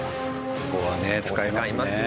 ここはね使いますね。